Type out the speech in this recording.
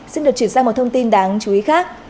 xin được chuyển sang một thông tin đáng chú ý khác